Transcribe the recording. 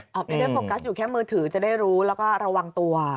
ไม่ได้โฟกัสอยู่แค่มือถือจะได้รู้แล้วก็ระวังตัว